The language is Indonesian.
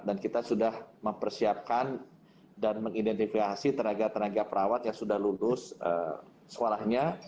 dan kita sudah mempersiapkan dan mengidentifikasi tenaga tenaga perawat yang sudah lulus sekolahnya